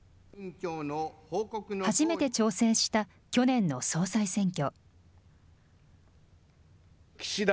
初めて挑戦した去年の総裁選挙。